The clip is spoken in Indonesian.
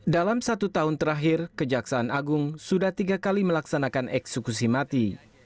dalam satu tahun terakhir kejaksaan agung sudah tiga kali melaksanakan eksekusi mati